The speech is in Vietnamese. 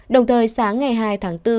đồng thời sáng ngày hai tháng bốn